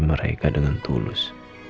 mereka dengan tulus